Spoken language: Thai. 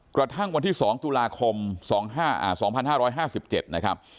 กระทั่งวันที่๒ตุลาคม๒๕๕๗นะครับ